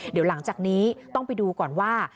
เดี๋ยวหลังจากนี้ต้องไปดูก่อนว่า